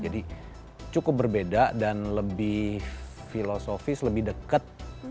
jadi cukup berbeda dan lebih filosofis lebih deket